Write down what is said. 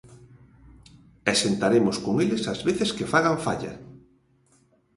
E sentaremos con eles as veces que fagan falla.